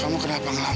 kamu kenapa ngelamun